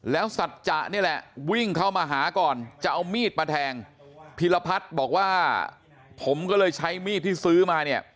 แล้วสัจจะนี่แหละวิ่งเข้ามาหาก่อนจะเอามีดมาแทงพีรพัฒน์บอกว่าผมก็เลยใช้มีดที่ซื้อมาเนี่ย